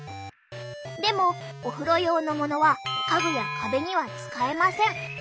でもお風呂用のものは家具や壁には使えません。